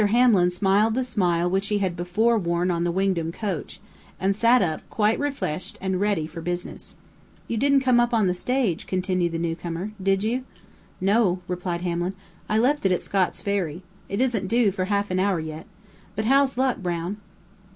Hamlin smiled the smile which he had before worn on the Wingdam coach, and sat up, quite refreshed and ready for business. "You didn't come up on the stage," continued the newcomer, "did you?" "No," replied Hamlin; "I left it at Scott's Ferry. It isn't due for half an hour yet. But how's luck, Brown?"